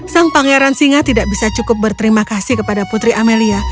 sang pangeran singa tidak bisa cukup berterima kasih kepada putri amelia